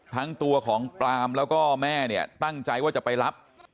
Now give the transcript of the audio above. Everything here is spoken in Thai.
ทั้งตัวของปรามแล้วก็แม่เนี่ยตั้งใจว่าจะไปรับ